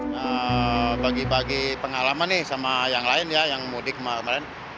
nah bagi bagi pengalaman nih sama yang lain ya yang mudik kemarin